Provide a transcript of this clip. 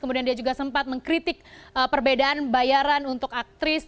kemudian dia juga sempat mengkritik perbedaan bayaran untuk aktris